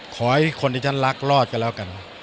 ขอให้คนที่ฉันรักรอดกันแล้วกัน